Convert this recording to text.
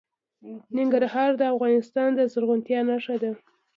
ننګرهار د افغانستان د زرغونتیا نښه ده.